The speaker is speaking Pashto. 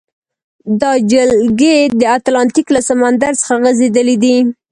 دا جلګې د اتلانتیک له سمندر څخه غزیدلې دي.